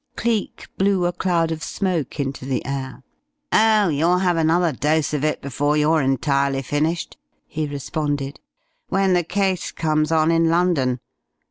Cleek blew a cloud of smoke into the air. "Oh, you'll have another dose of it before you're entirely finished!" he responded. "When the case comes on in London.